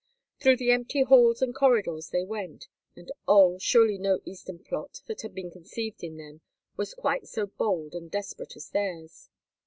Through the empty halls and corridors they went, and oh! surely no Eastern plot that had been conceived in them was quite so bold and desperate as theirs.